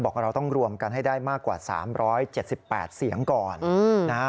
บอกว่าเราต้องรวมกันให้ได้มากกว่า๓๗๘เสียงก่อน